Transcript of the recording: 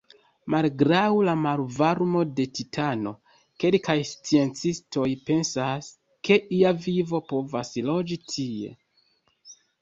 Malgraŭ la malvarmo de Titano, kelkaj sciencistoj pensas, ke ia vivo povas loĝi tie.